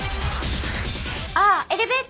あエレベーター！